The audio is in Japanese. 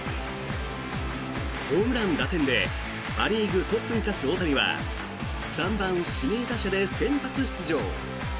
ホームラン、打点でア・リーグトップに立つ大谷は３番指名打者で先発出場。